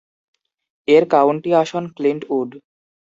এর কাউন্টি আসন ক্লিন্টউড।